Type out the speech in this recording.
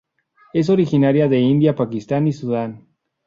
Es originaria de India, Pakistán y Sudán.